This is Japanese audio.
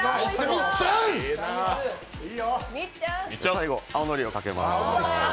最後、青のりをかけます。